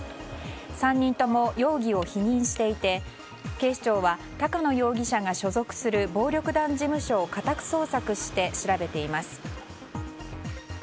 ３人とも容疑を否認していて警視庁は高野容疑者が所属する暴力団事務所を家宅捜索して調べています。